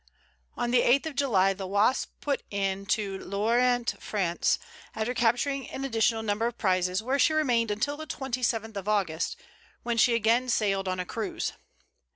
On the 8th of July, the Wasp put into L'Orient, France, after capturing an additional number of prizes, where she remained until the 27th of August, when she again sailed on a cruise.